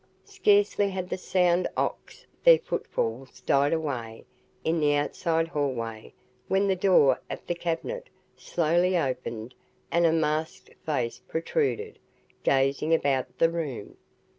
Scarcely had the sound ox their footfalls died away in the outside hallway when the door of the cabinet slowly opened and a masked face protruded, gazing about the room.